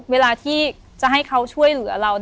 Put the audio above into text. เวลาที่จะให้เขาช่วยเหลือเรา